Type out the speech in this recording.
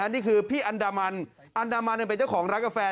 นี่คือพี่อันดามันอันดามันเป็นเจ้าของร้านกาแฟ